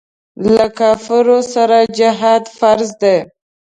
له کفارو سره جهاد فرض دی.